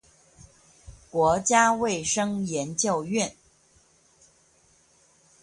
國家衛生研究院